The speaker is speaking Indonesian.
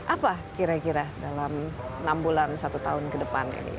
apa kira kira dalam enam bulan satu tahun ke depan ini